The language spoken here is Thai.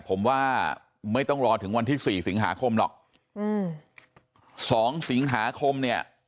ผมว่าไม่ต้องรอถึงวันที่สี่สิงหาคมหรอกอืมสองสิงหาคมเนี่ย